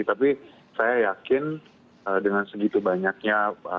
tapi saya yakin dengan segitu banyaknya